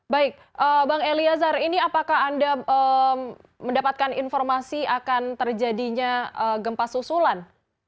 baik bang eliazar ini apakah anda mendapatkan informasi akan terjadinya gempa susulan